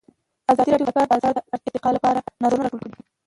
ازادي راډیو د د کار بازار د ارتقا لپاره نظرونه راټول کړي.